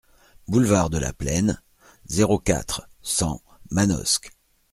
Boulevard de la Plaine, zéro quatre, cent Manosque